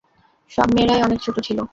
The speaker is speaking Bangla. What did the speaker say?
সব মেয়েরাই অনেক ছোট ছিলো।